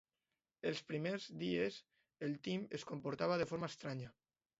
Els primers dies el Tim es comportava de forma estranya.